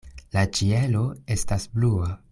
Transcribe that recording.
La ĉielo estas blua.